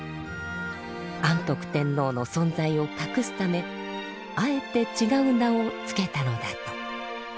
安徳天皇の存在を隠すためあえて違う名を付けたのだと。